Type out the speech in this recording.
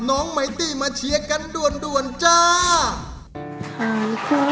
ของน้ำตาช้ำมานานเท่าไหร่